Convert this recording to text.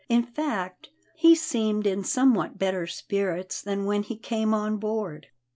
In fact, he seemed in somewhat better spirits than when he came on board.